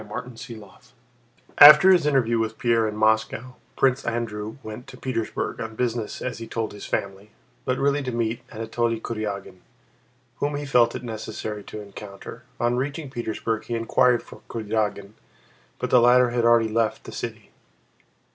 CHAPTER VIII After his interview with Pierre in Moscow, Prince Andrew went to Petersburg, on business as he told his family, but really to meet Anatole Kurágin whom he felt it necessary to encounter. On reaching Petersburg he inquired for Kurágin but the latter had already left the city.